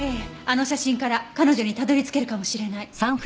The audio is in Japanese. あの写真から彼女にたどり着けるかもしれない。